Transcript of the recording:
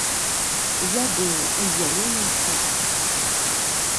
Я быў у зялёнай шапцы.